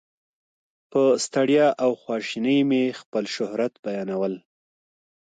په ستړیا او خواشینۍ مې خپل شهرت بیانول.